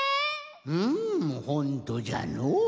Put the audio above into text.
うんほんとじゃのう。